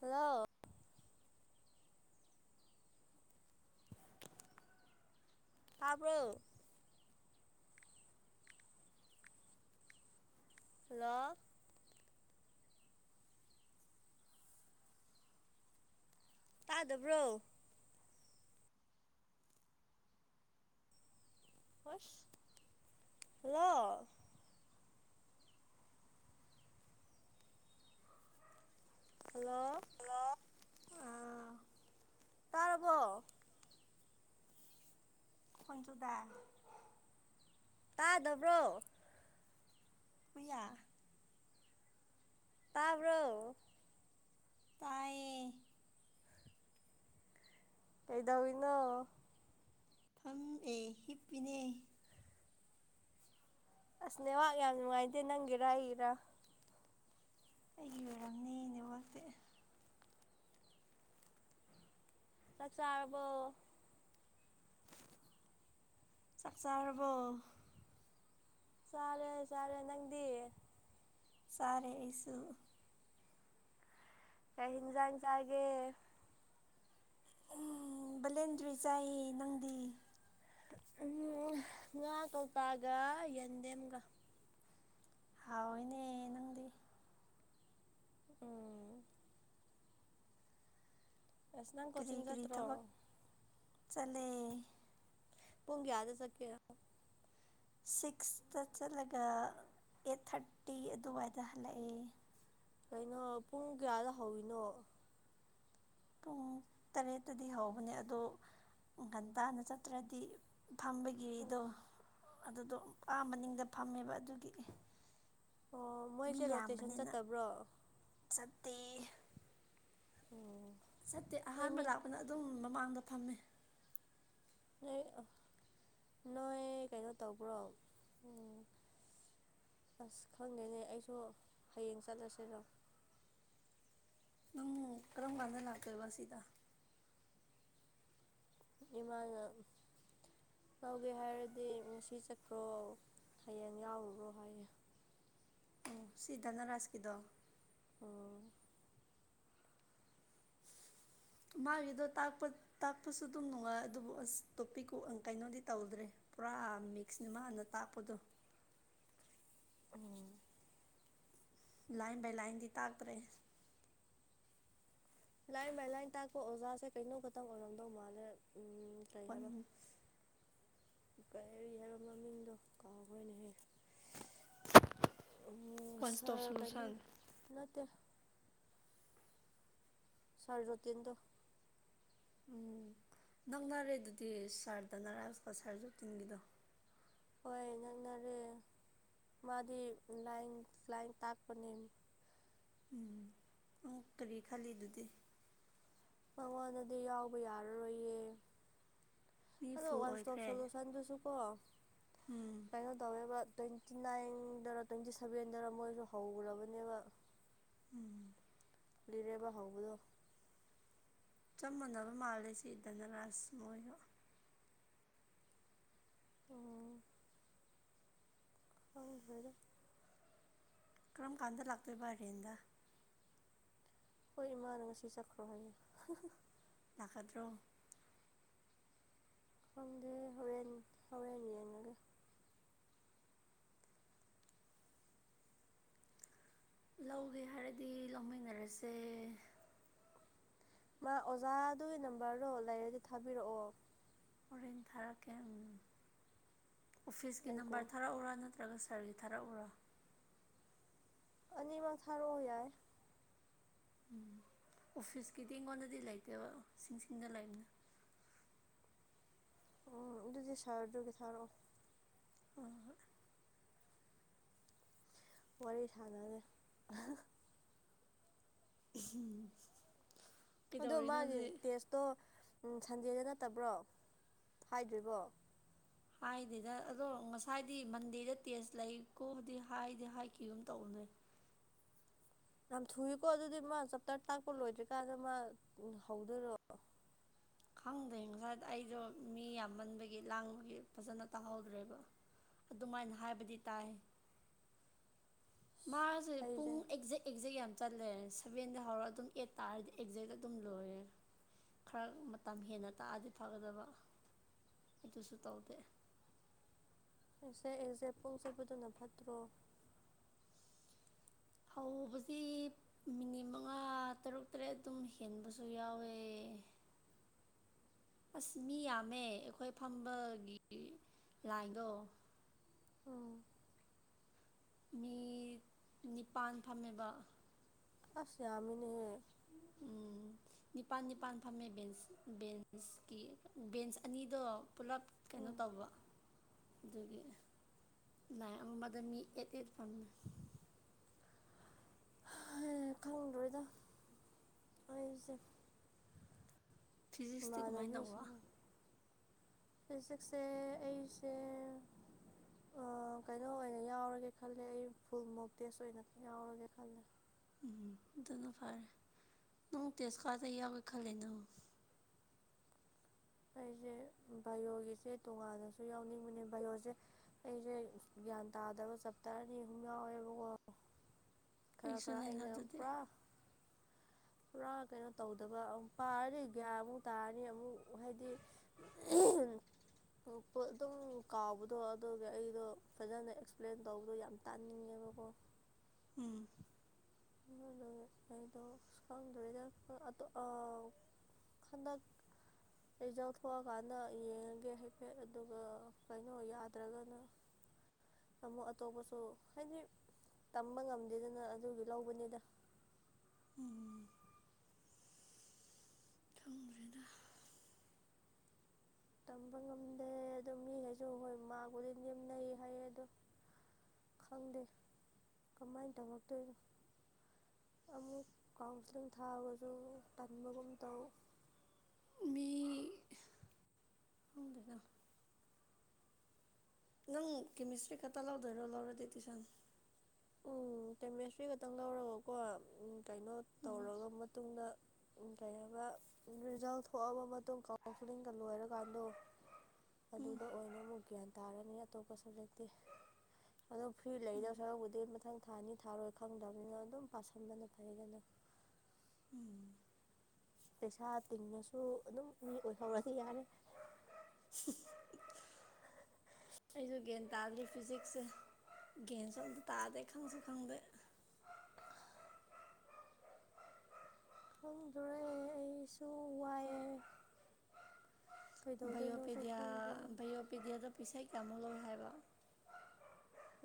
hello ꯇꯥꯕ꯭ꯔꯣ ꯂ ꯇꯥꯗꯕ꯭ꯔꯣ ꯍꯜꯂꯣ ꯍꯜꯂꯣ ꯍꯜꯂꯣ ꯑꯥ ꯇꯥꯔꯕꯣ ꯈꯟꯖꯨꯗ ꯇꯥꯗꯕ꯭ꯔꯣ ꯃꯌꯥ ꯇꯥꯔꯕꯔꯣ ꯇꯌꯦ ꯀꯗꯅ ꯐꯝ ꯑꯦ ꯍꯤꯞꯄꯤꯅꯦ ꯑꯁ ꯅꯦꯍꯥꯛ ꯌꯥꯝ ꯅꯨꯡꯉꯥꯏꯇꯦ ꯅꯪꯒꯤꯔ ꯑꯩꯒꯤꯔꯥ ꯑꯩꯒꯤ ꯑꯣꯏꯔꯝꯅꯦꯅꯦꯕꯛꯇꯤ ꯆ ꯆꯕꯣ ꯆꯥꯛ ꯆꯥꯔꯕꯣ ꯁꯥꯔꯦ ꯆꯔꯦ ꯅꯪꯗꯤ ꯁꯥꯔꯦ ꯑꯁꯨ ꯀ ꯍꯤꯟꯖ ꯏꯟꯁꯒꯦ ꯕꯂꯦꯟꯗ꯭ꯔꯤ ꯆꯥꯏ ꯅꯪꯗꯤ ꯎꯝ ꯉꯥ ꯀꯧꯕꯒ ꯌꯦꯟꯗꯦꯝꯒ ꯍꯥꯎ ꯏꯅꯦ ꯅꯪꯗꯤ ꯎ ꯑꯁ ꯅꯪ ꯀꯔꯤ ꯀꯣꯆꯤꯡ ꯀꯔꯤ ꯊꯕꯛ ꯆꯠꯇ꯭ꯔꯣ ꯆꯠꯂꯦ ꯄꯨꯡꯒꯌꯥꯗ ꯁꯀꯦ ꯁꯤꯛꯁꯇ ꯆꯠꯂꯒ ꯑꯦꯠ ꯊꯥꯔꯇꯤ ꯑꯗꯨꯋꯥꯏꯗ ꯍꯜꯂꯛꯑꯦ ꯀꯩꯅꯣ ꯄꯨꯡ ꯀꯌꯥꯗ ꯍꯧꯋꯅꯣ ꯄꯨꯡ ꯇꯔꯦꯠꯇꯗꯤ ꯍꯧꯕꯅꯦ ꯑꯗꯣ ꯟꯇꯥꯅ ꯆꯠꯇ꯭ꯔꯗꯤ ꯑꯣ ꯐꯝꯕꯒꯤꯔꯤꯗꯣ ꯑꯗꯨꯗꯣ ꯑꯥ ꯃꯅꯤꯡꯗ ꯐꯝꯃꯦꯕ ꯑꯗꯨꯒꯤ ꯑꯣ ꯃꯤ ꯃꯣꯏꯁꯦ ꯔꯣꯇꯦꯁꯟ ꯌꯥꯝꯕꯅꯤꯅ ꯆꯠꯇꯕ꯭ꯔꯣ ꯆꯠ ꯑꯣ ꯁꯠꯇꯦ ꯑꯍꯥꯟꯕ ꯂꯥꯛꯄꯅ ꯑꯗꯨꯝ ꯃꯃꯥꯡꯗ ꯐꯝꯃꯦ ꯅꯣꯏ ꯅꯣꯏ ꯀꯩꯅꯣ ꯇꯧꯕ꯭ꯔꯣ ꯎ ꯑꯁ ꯈꯪꯗꯦꯅꯦ ꯑꯩꯁꯨ ꯍꯌꯦꯡ ꯆꯠꯂꯁꯤꯔꯣ ꯅꯪ ꯀꯔꯝ ꯀꯥꯟꯗ ꯂꯥꯛꯇꯣꯏꯕ ꯁꯤꯗ ꯏꯃꯥꯅ ꯀꯧꯒꯦ ꯍꯥꯏꯔꯗꯤ ꯉꯁꯤ ꯆꯠꯈ꯭ꯔꯣ ꯍꯌꯦꯡ ꯌꯥꯎꯔꯨꯔꯣ ꯍꯥꯏꯌꯦꯦ ꯑꯣ ꯁꯤꯗꯥꯅ ꯔꯁꯀꯤꯗꯣ ꯑꯣ ꯃꯥꯒꯤꯗꯣ ꯇꯥꯛꯄ ꯇꯥꯛꯄꯁꯨ ꯑꯗꯨꯝ ꯅꯨꯡꯉꯥꯏ ꯑꯗꯨꯕꯨ ꯑꯁ ꯇꯣꯄꯤꯛꯀꯨ ꯀꯩꯅꯣꯗꯤ ꯇꯧꯗ꯭ꯔꯦ ꯄꯨꯔꯥ ꯃꯤꯛꯁꯅꯦ ꯃꯥꯥꯟꯅ ꯇꯥꯛꯄꯗꯣ ꯎꯝ ꯂꯥꯏꯟ ꯕꯥꯏ ꯂꯥꯏꯟꯗꯤ ꯇꯥꯛꯇ꯭ꯔꯦ ꯂ ꯃ ꯂ ꯇꯥꯛꯣ ꯑꯣꯖꯥꯁꯦ ꯀꯩꯅꯣ ꯈꯪ ꯑꯣꯏꯔꯗꯣ ꯃꯥꯜꯅꯦꯦ ꯎꯝ ꯇꯥꯏ ꯋꯥꯟ ꯍꯥꯏꯕ ꯀꯩꯔꯤ ꯍꯥꯏꯕꯣ ꯃꯃꯤꯡꯗꯣ ꯀꯥꯎꯈꯣꯏꯅꯦꯍ ꯑꯣ ꯋꯥꯟ ꯁ ꯏꯁꯇꯣꯞ ꯁꯣꯂꯨꯁꯟ ꯀꯩꯅꯠꯇ ꯁꯥꯔꯗꯣ ꯇꯤꯟꯗ ꯎꯝ ꯅꯪꯅꯔꯦ ꯑꯗꯨꯗꯤ ꯁꯥꯔꯗꯅꯔꯛꯑꯁꯤꯀꯣ ꯁꯥꯔꯁꯨ ꯇꯤꯟꯒꯤꯗꯣ ꯍꯣꯏꯅꯥꯅꯥꯔꯦ ꯃꯥꯗꯤ ꯂꯥꯏꯟꯥꯏꯟ ꯇꯥꯛꯄꯅꯤ ꯎꯝ ꯑ ꯀꯔꯤ ꯈꯜꯂꯤ ꯑꯗꯨꯗꯤ ꯃꯉꯣꯟꯗꯗꯤ ꯌꯥꯎꯕ ꯌꯥꯔꯔꯣꯏꯌꯦ ꯃꯤ ꯑꯗꯣ ꯐꯨꯜ ꯋꯥꯟꯁꯇꯣꯞ ꯑꯣꯏꯈ꯭ꯔꯦ ꯁꯣꯂꯨꯁꯟꯗꯨꯁꯨ ꯀꯣ ꯎꯝ ꯀꯩꯅꯣ ꯇꯧꯋꯦꯕ ꯇ꯭ꯋꯦꯟꯇꯤ ꯅꯥꯏꯟꯗꯔ ꯇ꯭ꯋꯦꯟꯇꯤ ꯁꯚꯦꯟꯗꯔ ꯃꯣꯏꯁꯨ ꯍꯧꯈ꯭ꯔꯕꯅꯦꯕ ꯎꯝ ꯀ ꯂꯤꯔꯦꯕ ꯍꯧꯕꯗꯣ ꯆꯞ ꯃꯥꯟꯅꯕ ꯃꯥꯜꯂꯦ ꯁꯤꯗꯅ ꯂꯥꯁ ꯃꯣꯏꯗ ꯎ ꯗ ꯀꯔꯝ ꯀꯥꯟꯗ ꯂꯥꯛꯇꯣꯏꯕ ꯍꯔꯦꯟꯗ ꯍꯣꯏ ꯏꯃꯅ ꯉꯁꯤ ꯆꯈꯔꯣ ꯍꯥꯏꯌꯦ ꯅꯥꯀꯗ꯭ꯔꯣ ꯈꯪꯗꯦ ꯍꯣꯔꯦꯟ ꯍꯣꯔꯦꯟ ꯌꯦꯡꯉꯒꯦ ꯂꯧꯒꯦ ꯍꯥꯏꯔꯗꯤ ꯂꯧꯃꯤꯟꯅꯔꯁꯦ ꯃꯥ ꯑꯣꯖꯥꯗꯨꯒꯤ ꯅꯝꯕꯔꯗꯣ ꯂꯩꯔꯗꯤ ꯊꯥꯕꯤꯔꯛꯑꯣ ꯃꯣꯔꯡ ꯊꯥꯔꯛꯀꯦ ꯎ ꯑꯣꯐꯤꯁꯀꯤ ꯑꯩ ꯀꯣꯜ ꯅꯝꯕꯔ ꯊꯥꯔꯛꯎꯔꯥ ꯅꯠꯇ꯭ꯔ ꯅꯠꯇ꯭ꯔꯒ ꯁꯥꯔꯒꯤ ꯊꯥꯔꯛꯎꯔꯣ ꯑꯅꯤꯃ ꯁꯔꯣ ꯌꯥꯔ ꯎꯝ ꯑꯣꯐꯤꯁꯀꯤꯗꯤ ꯑꯩꯉꯣꯟꯗꯗꯤ ꯂꯩꯇꯦꯕ ꯁꯤꯡꯁꯤꯡꯗ ꯂꯩꯕꯅ ꯎꯝ ꯑꯗꯨꯗꯤ ꯁꯥꯔꯗꯨꯒꯤ ꯊꯥꯔꯛꯑꯣ ꯑꯣ ꯑꯣꯏꯔ ꯁꯥꯗꯗ ꯎꯝ ꯑ ꯃꯥꯒꯤ ꯇꯦꯁꯇꯣ ꯎꯝ ꯁꯟꯗꯦꯗ ꯅꯠꯇꯕ꯭ꯔꯣ ꯍꯥꯏꯗ꯭ꯔꯤꯕꯣ ꯍꯥꯏꯗꯦꯗ ꯑꯗꯣ ꯉꯁꯥꯏꯗꯤ ꯃꯟꯗꯦꯗ ꯇꯦꯁ ꯂꯩꯀꯣꯗꯤ ꯍꯥꯏꯗꯤ ꯍꯥꯏꯈꯤꯒꯨꯝꯝ ꯇꯧꯕꯅꯦꯦ [unintelligible] ꯌꯥꯝ ꯊꯨꯏꯀꯣ ꯑꯗꯨꯗꯤ ꯃꯥ ꯆꯞꯇꯥꯔ ꯇꯥꯛꯄ ꯂꯣꯏꯗ꯭ꯔꯤꯀꯥꯟꯗ ꯃꯥ ꯍꯧꯗꯣꯏꯔꯣ ꯈꯪꯗꯦ ꯉꯁꯥꯏ ꯑꯩꯁꯨꯣ ꯃꯤ ꯌꯥꯝꯃꯟꯕꯒꯤ ꯂꯥꯡꯕꯒꯤ ꯐꯖꯅ ꯇꯥꯍꯧꯗ꯭ꯔꯦꯕ ꯑꯗꯨꯃꯥꯏꯅ ꯍꯥꯏꯕꯗꯤ ꯇꯥꯏ ꯃꯥꯦ ꯄꯨꯡ ꯑꯩꯁꯦ ꯑꯦꯛꯖ ꯑꯦꯛꯖꯦꯛ ꯌꯥꯝ ꯌꯥꯝ ꯆꯜꯂ ꯁꯚꯦꯟꯗ ꯍꯧꯔꯒ ꯑꯗꯨꯝ ꯑꯩꯠ ꯇꯥꯔꯗꯤ ꯑꯦꯛꯖꯦꯛ ꯑꯗꯨꯝ ꯂꯣꯏꯔꯦ ꯈꯔ ꯃꯇꯝ ꯍꯦꯟꯅ ꯇꯥꯛꯑꯗꯤ ꯐꯒꯗꯕ ꯑꯗꯨꯁꯨ ꯇꯧꯗꯦꯦ ꯑꯩꯁꯦ ꯑꯩꯁꯦ ꯄꯨꯡ ꯆꯄꯗꯨꯅ ꯐꯠꯇ꯭ꯔꯣ ꯑ ꯍꯧꯖꯤꯛ ꯃꯤꯅꯤꯠ ꯃꯉꯥ ꯊꯥ ꯇꯔꯨꯛ ꯇꯔꯦꯠ ꯑꯗꯨꯝ ꯍꯦꯟꯕꯁꯨ ꯌꯥꯎꯋꯦ ꯑꯁ ꯃꯤ ꯌꯥꯝꯃꯦ ꯑꯩꯈꯣꯏ ꯐꯝꯕꯒꯤ ꯂꯥꯏꯟꯗꯣ ꯑ ꯃꯤ ꯅꯤꯄꯥꯟ ꯐꯝꯃꯦꯕ ꯑꯁꯦ ꯑꯃꯅꯦ ꯎꯝ ꯅꯤꯄꯥꯜ ꯅꯤꯄꯥꯜ ꯐꯝꯃꯦ ꯕꯦꯟꯁ ꯕꯦꯟꯁꯀꯤ ꯕꯦꯟꯁ ꯑꯅꯤꯗꯣ ꯄꯨꯂꯞ ꯀꯩꯅꯣ ꯎꯝ ꯇꯧꯕ ꯑꯗꯨꯒꯤ ꯂꯥꯏ ꯑꯃꯗ ꯃꯤ ꯑꯦꯠ ꯑꯦꯠꯐꯝꯝꯃꯦ ꯈꯪꯗꯣꯏꯗ ꯍꯥꯏꯨꯁꯦ ꯐꯤꯖꯤꯛꯁꯇꯤ ꯀꯃꯥꯏꯅ ꯇꯧꯕ ꯃꯥꯗꯕꯤꯁꯅ ꯍꯧꯖꯤꯛꯁꯦ ꯑꯩꯁꯦ ꯑ ꯀꯩꯅꯣ ꯑꯣꯏꯅ ꯌꯥꯎꯔꯒꯦ ꯈꯜꯂꯦ ꯑꯩ ꯐꯨꯜ ꯃꯣꯞꯇꯦꯁ ꯑꯣꯏꯅ ꯌꯥꯎꯔꯒꯦ ꯈꯜꯂꯦ ꯎꯝ ꯑꯗꯨꯅ ꯐꯔꯦ ꯅꯪ ꯇꯦꯁꯀꯥꯗ ꯌꯥꯎꯒꯦ ꯈꯜꯂꯦ ꯅꯪ ꯑꯩꯁꯦ ꯕꯥꯏꯑꯣꯒꯤꯁꯦ ꯇꯣꯉꯥꯟꯅꯁꯨ ꯌꯥꯎꯅꯤꯡꯕꯅꯦ ꯕꯥꯏꯑꯣꯁꯦ ꯑꯩꯁꯦ ꯒ꯭ꯌꯥꯟ ꯇꯥꯗꯕ ꯆꯞꯇꯥꯔ ꯑꯅꯤ ꯑꯍꯨꯝ ꯌꯥꯎꯋꯦꯕꯀꯣ [inaudible] ꯈꯔ ꯈꯔ ꯑꯩꯁꯨꯅꯦꯅ ꯑꯩꯅ ꯑꯗꯨꯗꯤ ꯄꯨꯔꯥ ꯄꯨꯔꯥ ꯀꯩꯅꯣ ꯇꯧꯗꯕ ꯑꯃ ꯄꯥꯔꯅꯤ ꯒ꯭ꯌꯥꯟꯃꯨꯛ ꯇꯥꯔꯅꯤ ꯑꯃꯨꯛ ꯍꯥꯏꯗꯤ ꯑꯗꯨꯝ ꯀꯥꯎꯕꯗꯣ ꯑꯗꯨꯒꯒꯤ ꯑꯩꯗꯣ ꯐꯖꯅ ꯑꯦꯛꯁꯄ꯭ꯂꯦꯟ ꯇꯧꯕꯗꯣ ꯌꯥꯝ ꯇꯥꯅꯤꯡꯉꯦꯕꯀꯣ ꯎꯝ ꯑ ꯑꯩꯗꯀꯗ ꯑꯗ ꯑꯗ ꯑꯩꯖꯧꯊꯑꯀꯥꯟꯗ ꯌꯦꯡꯉꯒꯦ ꯍꯥꯏꯐꯦꯠ ꯑꯗꯨꯒ ꯀꯩꯅꯣ ꯌꯥꯗ꯭ꯔꯒꯅ ꯑꯃꯨꯛ ꯑꯇꯣꯞꯄꯁꯨ ꯍꯥꯏꯗꯤ ꯇꯝꯕ ꯉꯝꯗꯦꯗꯅ ꯑꯗꯨꯒꯤ ꯂꯧꯕꯅꯤꯗ ꯎꯝ ꯊꯪꯈ꯭ꯔꯦꯗ ꯇꯝꯕ ꯉꯝꯗꯦ ꯑꯗꯨꯗ ꯃꯤꯈꯩꯁꯨ ꯍꯣꯏ ꯃꯥꯕꯨꯗꯤ ꯅꯦꯝꯅꯩ ꯍꯥꯏꯌꯦ ꯑꯗꯣ ꯈꯪꯗꯦ ꯀꯃꯥꯏꯅ ꯇꯧꯔꯛꯇꯣꯏꯅꯣ ꯑꯃꯨꯛ ꯀꯥꯎꯟꯁꯤꯂꯤꯡ ꯊꯥꯔꯒꯁꯨ ꯄꯟꯕꯒꯨꯝ ꯇꯧ ꯍꯗꯀ ꯅꯪ ꯀꯦꯃꯤꯁꯇ꯭ꯔꯤ ꯈꯛꯇ ꯂꯧꯗꯣꯏꯔꯣ ꯂꯧꯔꯗꯤ ꯇꯨꯤꯁꯟ ꯎꯝ ꯀꯦꯃꯦꯁꯇ꯭ꯔꯤ ꯈꯛꯇꯪ ꯂꯧꯔꯒꯀꯣ ꯎ ꯀꯩꯅꯣ ꯇꯧꯔꯒ ꯃꯇꯨꯡꯗ ꯎ ꯀꯩ ꯍꯥꯏꯕ ꯔꯤꯖꯜ ꯊꯣꯛꯑꯕ ꯃꯇꯨꯡ ꯀꯥꯎꯟꯁꯤꯂꯤꯡꯒ ꯂꯣꯏꯔꯀꯥꯟꯗꯣ ꯎ ꯑꯗꯨꯗ ꯑꯣꯏꯅ ꯑꯃꯨꯛ ꯒ꯭ꯌꯥꯟ ꯇꯥꯔꯅꯤ ꯑꯇꯣꯞꯄ ꯁꯕꯖꯦꯛꯇꯤ ꯑꯣꯣ ꯐꯤ ꯂꯩꯗ ꯁ ꯃꯊꯪ ꯊꯥ ꯑꯅꯤ ꯊꯥꯔꯣꯏ ꯈꯪꯗꯕꯅꯤꯅ ꯑꯗꯨꯝ ꯄꯥꯁꯟꯗꯅ ꯐꯩꯗꯅ ꯄꯩꯁꯥ ꯇꯤꯡꯉꯁꯨ ꯑꯗꯨꯝ ꯃꯤ ꯑꯣꯏꯍꯧꯔꯗꯤ ꯌꯥꯔꯦ [inaudible] ꯑꯩꯁꯨ ꯒ꯭ꯌꯥꯟ ꯇꯥꯗꯗꯤ ꯐꯤꯖꯤꯛꯁꯁꯦ ꯒ꯭ꯟꯁꯨ ꯑꯝꯇ ꯇꯥꯗꯦ ꯈꯪꯁꯨ ꯈꯪꯗꯦ [inaudible] ꯈꯪꯗꯣꯔꯦ ꯑꯩꯁꯨ ꯋꯥꯏꯑꯦ ꯀꯩꯗꯧꯗꯣꯏꯅꯣꯁꯨ ꯌꯣꯑꯣꯄꯦꯗꯤꯌꯥ ꯈꯪꯗꯦ ꯌꯑꯣꯄꯦꯗꯤꯌꯥꯗ ꯄꯤꯁꯒꯤ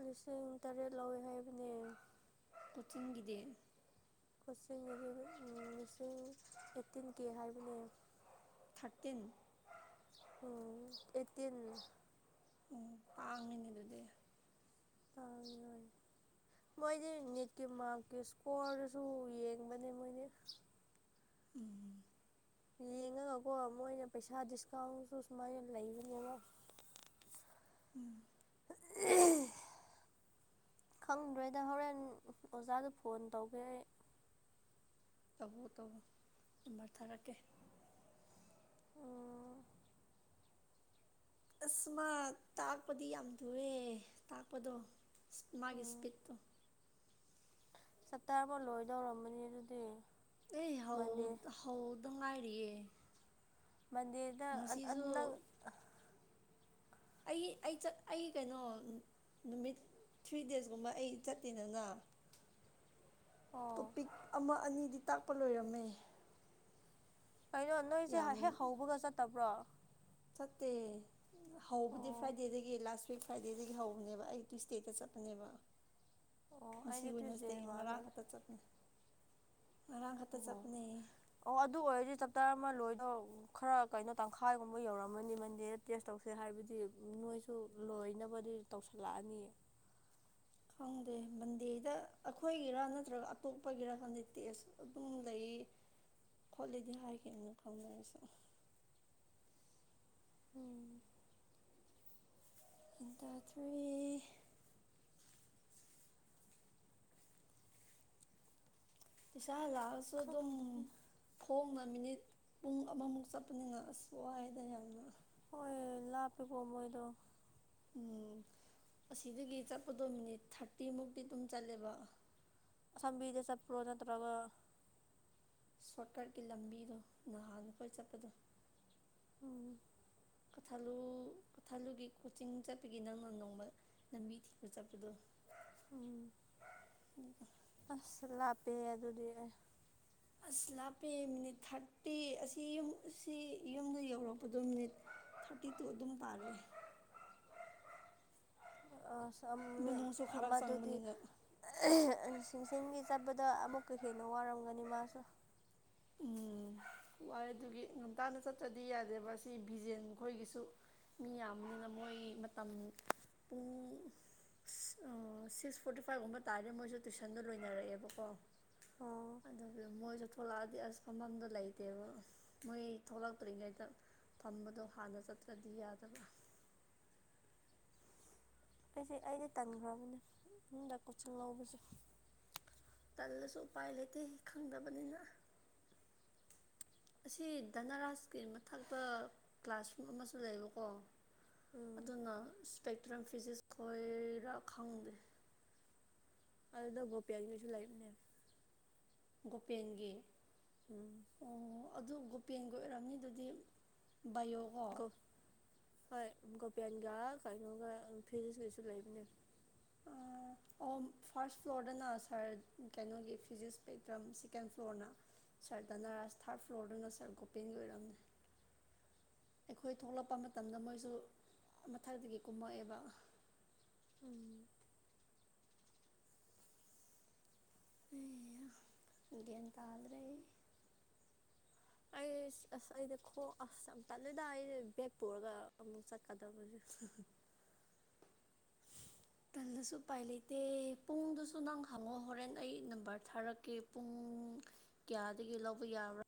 ꯂꯤꯁꯤꯡ ꯇꯔꯦꯠ ꯂꯧꯋꯦ ꯍꯥꯏꯕꯅꯦ ꯀꯆꯤꯡꯒꯗꯔ ꯀꯣꯆꯤꯡꯗꯤ ꯂꯤꯁꯤꯡ ꯑꯩꯠꯇꯤꯟ ꯀꯦ ꯍꯥꯏꯕꯅꯦ ꯊꯥꯔꯇꯤꯟ ꯑꯣ ꯑꯦ ꯇꯤꯟ ꯎꯝ ꯄꯥꯡꯉꯤꯅꯦ ꯑꯗꯨꯗꯤ ꯇꯥꯡꯉꯅꯤ ꯃꯣꯏꯗꯤ ꯅꯤꯠꯀꯤ ꯃꯥꯔꯛꯀꯤ ꯏꯁꯀꯣꯔꯗꯨꯁꯨ ꯌꯦꯡꯕꯅꯦ ꯃꯣꯏꯗꯤ ꯎꯝ ꯌꯦꯡꯉꯒꯀꯣ ꯃꯣꯏꯅ ꯄꯩꯁꯥ ꯗꯤꯁꯀꯥꯎꯟꯁꯨ ꯁꯨꯃꯥꯏꯅ ꯂꯩꯕꯅꯦꯕ ꯎꯝ ꯈꯪꯗ꯭ꯔꯣꯏꯗ ꯍꯣꯔꯦꯟ ꯑꯣꯖꯥꯗꯨ ꯐꯣꯟ ꯇꯧꯒꯦ ꯑꯩ ꯇꯧꯕꯣ ꯇꯧꯧꯕꯣ ꯑꯗꯨꯕꯔ ꯊꯥꯔꯛꯀꯦ ꯑꯣ ꯑꯁ ꯃꯥ ꯇꯥꯛꯄꯗꯤ ꯌꯥꯝ ꯇꯨꯑꯦ ꯇꯥꯛꯄꯗꯣ ꯃꯥꯒꯤ ꯏꯁꯄꯤꯣ ꯆꯇꯥ ꯑꯃ ꯂꯣꯏꯗꯧꯔꯝꯕꯅꯤ ꯑꯗꯨꯗꯤ ꯑꯦ ꯍꯧ ꯃꯟꯗꯦ ꯍꯧꯗ ꯉꯥꯏꯔꯤꯌꯦ ꯃꯟꯗꯦꯗ ꯉꯁꯤꯁꯨ ꯅꯪ ꯑꯩ ꯑꯩ ꯑꯩ ꯀꯩꯅꯣ ꯅꯨꯃꯤꯠ ꯊ꯭ꯔꯤ ꯗꯦꯖꯀꯨꯝꯕ ꯑꯩ ꯆꯠꯇꯦꯗꯅ ꯑꯣ ꯇꯣꯄꯤꯛ ꯑꯃ ꯑꯅꯤꯗꯤ ꯇꯥꯛꯄ ꯂꯣꯏꯔꯝꯃꯦ ꯀꯩꯅꯣ ꯅꯣꯏꯁꯦ ꯍꯦꯛ ꯍꯧꯕꯒ ꯆꯠꯇꯕ꯭ꯔꯣ ꯁꯠꯇꯦ ꯍꯧꯕꯗꯤ ꯑꯣ ꯐꯥꯏꯗꯦꯗꯒꯤꯗꯒꯤ ꯂ ꯐ꯭ꯔꯤ ꯐ꯭ꯔꯥꯏꯗꯦꯗꯒꯤ ꯍꯧꯕꯅꯦꯕ ꯑꯩ ꯇꯨꯏꯁꯗꯦꯗ ꯆꯠꯄꯅꯦꯕ ꯑꯣ ꯃꯁꯤ ꯑꯩꯗꯤ ꯑꯣꯏꯅꯁ ꯇ꯭ꯌꯨꯁꯗꯦꯗ ꯃꯥꯜꯂꯨꯔꯦ ꯉꯔꯥꯡꯅꯇ ꯆꯠꯃꯤ ꯑꯣ ꯑꯣ ꯑꯗꯨ ꯑꯣꯏꯔꯗꯤ ꯆꯞ ꯆꯔꯥ ꯑꯃ ꯂꯣꯏ ꯑꯗꯣ ꯈꯔ ꯀꯩꯅꯣ ꯇꯪꯈꯥꯏꯒꯨꯝꯕ ꯌꯧꯔꯝꯃꯅꯤ ꯃꯟꯗꯦꯗ ꯇꯦꯁ ꯇꯧꯁꯦ ꯍꯥꯏꯕꯗꯤ ꯅꯣꯏꯁꯨ ꯂꯣꯏꯅꯕꯗꯤ ꯇꯧꯁꯜꯂꯛꯑꯅꯤꯌꯦ [inaudible] ꯈꯪꯗꯦ ꯕꯟꯗꯦꯗ ꯑꯩꯈꯣꯏꯒꯤꯔ ꯅꯠꯇ꯭ꯔꯒ ꯑꯇꯣꯞꯄꯒꯤꯔ ꯈꯪꯗꯦ ꯇꯦꯁ ꯑꯗꯨꯝ ꯂꯩ ꯈꯣꯂꯤꯗ ꯍꯥꯏ ꯀ ꯀ ꯂꯁ ꯎꯝ ꯑꯗ ꯐꯣꯏ ꯏꯁꯥ ꯂꯥꯛꯑꯁꯨ ꯑꯗꯨꯝ ꯈꯪꯗ꯭ꯔꯦ ꯐꯣꯡꯅ ꯃꯤꯅꯤꯠ ꯨꯡꯃꯨꯛ ꯁꯄꯅꯦ ꯂ ꯁꯏꯗ ꯌꯥꯝ ꯂꯄꯤ ꯄꯃꯣꯣꯏꯗꯣ ꯎꯝ ꯑꯁꯤꯗꯒꯤ ꯆꯠꯄꯗꯣ ꯃꯤꯅꯤꯠ ꯊꯥꯔꯇꯤꯃꯨꯛꯇꯤ ꯑꯗꯨꯝ ꯆꯠꯂꯦꯕ ꯁꯕꯤꯤꯗ ꯆꯄꯣꯅ ꯇꯧ꯭ꯔꯒ ꯁꯣꯔꯠꯀꯠꯀꯤ ꯂꯝꯕꯤꯗꯣ ꯅꯍꯥꯟ ꯑꯩꯈꯣꯏ ꯆꯠꯄꯗꯣ ꯎꯝ ꯀꯊꯥꯂꯨ ꯀꯊꯥꯂꯨꯒꯤ ꯀꯣꯆꯤꯡ ꯆꯠꯄꯒꯤ ꯅꯪꯅ ꯅꯣꯡꯃ ꯂꯝꯕꯤ ꯊꯤꯕ ꯆꯠꯄꯗꯣ ꯎꯝ ꯑꯁ ꯂꯥꯛꯄꯦ ꯑꯗꯨꯗꯤ ꯑꯁ ꯂꯥꯞꯄꯦ ꯃꯤꯅꯤꯠ ꯊꯥꯔꯇꯤ ꯑꯁꯤ ꯌꯨꯝ ꯑꯁꯤ ꯌꯨꯝꯗ ꯌꯧꯔꯛꯄꯗꯣ ꯃꯤꯅꯤꯠ ꯊꯥꯔꯇꯤ ꯇ ꯑꯣ ꯑꯗꯨꯅ ꯇꯥꯔꯦ ꯃꯅꯨꯡꯁꯨ ꯈꯔ ꯃꯗꯨꯗꯤ ꯆꯪꯕꯅꯤꯅ ꯁꯤꯡꯁꯤꯡꯒꯤꯒꯤ ꯆꯠꯄꯗ ꯑꯃꯨꯛꯀ ꯍꯦꯟꯅ ꯋꯥꯔꯝꯒꯅꯤ ꯃꯥꯁꯨ ꯎꯝ ꯋꯥꯏꯦ ꯑꯗꯨꯒꯤ ꯉꯝꯇꯥꯅ ꯆꯠꯇ꯭ꯔꯗꯤ ꯌꯥꯗꯦꯕ ꯁꯤ ꯚꯕꯤꯖꯦꯟ ꯈꯣꯏꯒꯤꯁꯨ ꯃꯤ ꯌꯥꯝꯕꯅꯤꯅ ꯃꯣꯏ ꯃꯇꯝ ꯄꯨꯡ ꯑꯣ ꯁꯤꯛꯁ ꯐꯣꯔꯇꯤ ꯐꯥꯏꯚꯒꯨꯝꯕ ꯇꯥꯔꯗꯤ ꯃꯣꯏꯁꯨ ꯇꯨꯏꯁꯟꯗꯣ ꯂꯣꯏꯅꯔꯛꯑꯦꯕꯀꯣ ꯎꯝ ꯑꯗꯨ ꯃꯣꯏꯁꯨ ꯊꯂ ꯗꯤ ꯑꯁ ꯐꯝꯐꯝꯗ ꯂꯩꯇꯦꯕ ꯃꯣꯏ ꯊꯣꯛꯂꯛꯇ꯭ꯔꯤꯉꯩꯗ ꯊꯝꯕꯗꯣ ꯍꯥꯟꯅ ꯆꯠꯇ꯭ꯔꯗꯤ ꯌꯥꯗꯕ꯭ꯔꯥ ꯑꯩꯁꯦ ꯑꯩꯗꯤ ꯇꯟꯈ꯭ꯔꯕꯅꯦ ꯏꯃꯨꯡꯗ ꯀꯣꯆꯤꯡ ꯂꯧꯕꯁꯦ ꯑꯗꯨꯗꯁꯨ ꯎꯄꯥꯏ ꯂꯩꯇꯦ ꯈꯪꯗꯕꯅꯤꯅ ꯑꯁꯤ ꯙꯅꯔꯥꯁꯀꯤ ꯃꯊꯛꯛꯇ ꯀ꯭ꯂꯥꯁꯔꯨꯝ ꯑꯃꯁꯨ ꯂꯩꯕꯀꯣ ꯎꯝ ꯑꯗꯨꯅ ꯏꯁꯄꯦꯛꯇ꯭ꯔꯝ ꯐꯤꯖꯤꯛꯁ ꯈꯣꯏꯔ ꯈꯪꯗꯦ ꯑꯗꯨꯗ ꯣ ꯄꯤꯌꯥꯒꯤꯁꯨ ꯂꯩꯥꯏꯅꯦ ꯒꯣꯄꯦꯟꯒꯤ ꯑꯣ ꯑꯗꯨ ꯒꯣꯄꯦꯟꯒꯤ ꯑꯣꯏꯔꯝꯅꯤ ꯑꯗꯨꯗꯤ ꯌꯒ ꯒꯣ ꯍꯣꯏ ꯒꯣꯄꯌꯥꯟꯒ ꯀꯩꯅꯣꯒ ꯐꯤꯔꯤꯁ ꯀꯩꯁꯨ ꯂꯩꯕꯅꯦ ꯑꯣ ꯑꯣ ꯐꯥꯔꯁ ꯐ꯭ꯂꯣꯔꯗꯅ ꯁꯥꯔ ꯀꯩꯅꯣꯒꯤ ꯐꯤꯖꯤꯛꯁ ꯄꯩꯇ꯭ꯔꯝ ꯁꯦꯀꯦꯟ ꯐ꯭ꯂꯣꯔꯅ ꯁꯥꯔ ꯙꯅꯔꯥꯖ ꯊꯥꯔꯠ ꯐ꯭ꯂꯣꯔꯗꯨꯅ ꯁꯥꯔ ꯒꯣꯄꯦꯟꯒꯤ ꯑꯣꯏꯔꯝꯃꯦ ꯑꯩꯈꯣꯏ ꯊꯣꯛꯂꯛꯄ ꯃꯇꯝꯗ ꯃꯣꯏꯁꯨ ꯃꯊꯛꯇꯒꯤ ꯀꯨꯝꯃꯛꯑꯦꯕ ꯎꯝ ꯑꯦ ꯍꯦ ꯇꯗ꯭ꯔꯦ ꯑꯩ ꯑꯁ ꯑꯩꯣ ꯑꯁꯝ ꯄꯂꯗ ꯑꯩ ꯕꯦꯛꯄꯨꯔꯒ ꯑꯃꯨꯛ ꯆ ꯀꯥꯗꯥꯕꯖꯨ ꯊꯝ ꯀꯩꯁꯨ ꯎꯄꯥꯏ ꯂꯩꯇꯦ ꯄꯨꯡꯗꯨꯁꯨ ꯅꯪ ꯍꯪꯉꯣ ꯍꯣꯔꯦꯟ ꯑꯩ ꯅꯝꯕꯔ ꯊꯥꯔꯛꯀꯦ ꯄꯨꯡ ꯀꯌꯥꯗꯒꯤ ꯂꯧꯕ ꯌꯥꯕ꯭ꯔꯥ